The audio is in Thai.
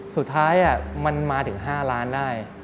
สุดท้ายมันมาถึง๕ล้านได้